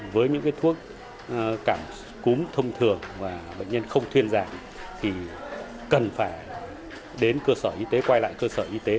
với những thuốc cúm thông thường và bệnh nhân không thiên giản thì cần phải đến cơ sở y tế quay lại cơ sở y tế